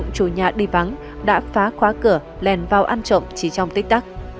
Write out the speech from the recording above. chủ nhà đi vắng đã phá khóa cửa lèn vào ăn trộm chỉ trong tích tắc